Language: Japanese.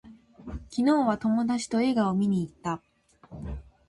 昨日は友達と映画を見に行った